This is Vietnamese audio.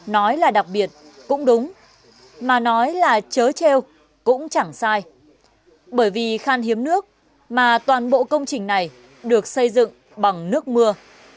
nói là đặc biệt cũng đúng mà nói là chớ treo cũng chẳng sai bởi vì khan hiếm nước mà toàn bộ công trình này được xây dựng bằng nước mưa